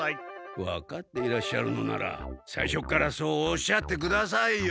わかっていらっしゃるのならさいしょっからそうおっしゃってくださいよ。